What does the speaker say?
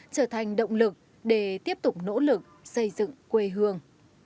trở thành động lực để tiếp tục nỗ lực xây dựng